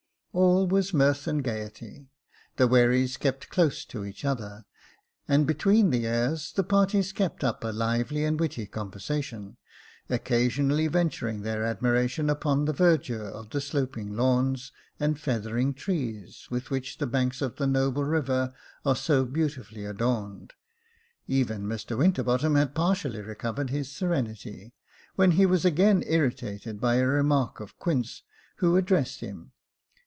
All was mirth and gaiety — the wherries kept close to each other, and between the airs the parties kept up a lively and witty conversation, occasionally venting their admiration upon the verdure of the sloping lawns and feathering trees, with which the banks of the noble river are so beautifully adorned ; even Mr Winterbottom had partially recovered his serenity, when he was again irritated by a remark of Quince, who addressed him.